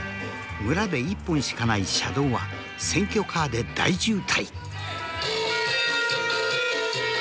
村で１本しかない車道は選挙カーで大渋滞。